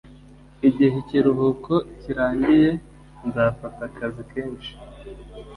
igihe ikiruhuko kirangiye, nzafata akazi kenshi